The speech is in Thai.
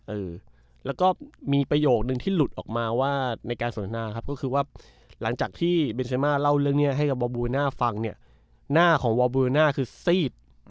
เออแล้วก็มีประโยคนึงที่หลุดออกมาว่าในการสนทนาครับก็คือว่าหลังจากที่เบนเซมาเล่าเรื่องนี้ให้กับวาบูน่าฟังเนี่ยหน้าของวอบบูน่าคือซีด